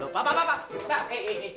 pak pak pak pak eh eh eh